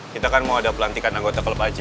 kita kan mau ada pelantikan anggota klub aja